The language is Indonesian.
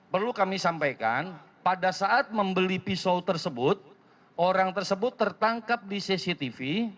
perlu kami sampaikan pada saat membeli pisau tersebut orang tersebut tertangkap di cctv